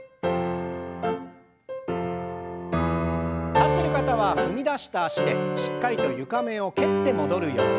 立ってる方は踏み出した脚でしっかりと床面を蹴って戻るように。